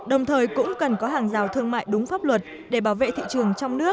đồng thời cũng cần có hàng rào thương mại đúng pháp luật để bảo vệ thị trường trong nước